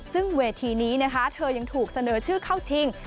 ซึ่งเวทีนี้นะคะเธอยังถูกเสนอชื่อเข้าชิง